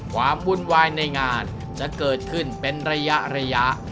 ความวุ่นวายในงานจะเกิดขึ้นเป็นระยะระยะ